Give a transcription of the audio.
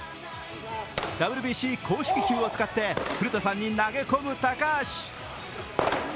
ＷＢＣ公式球を使って古田さんに投げ込む高橋。